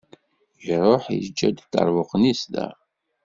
Iruḥ iǧǧa-d iṭerbuqen-is da.